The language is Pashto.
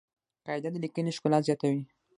قاعده د لیکني ښکلا زیاتوي.